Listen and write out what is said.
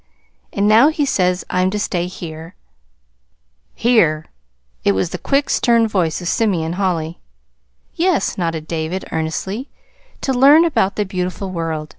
And now he says I'm to stay here." "Here!" It was the quick, stern voice of Simeon Holly. "Yes," nodded David earnestly; "to learn about the beautiful world.